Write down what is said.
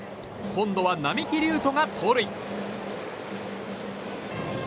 今度は双木琉斗が盗塁。